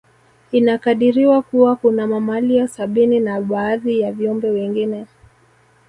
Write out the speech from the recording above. Inakadiriwa Kuwa kuna mamalia sabini na baadhi ya viumbe wengine